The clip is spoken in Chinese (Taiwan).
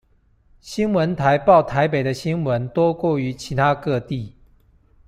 新聞台報台北的新聞多過於其他各地